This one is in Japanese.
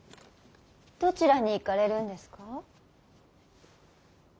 どちらに行かれるんですか。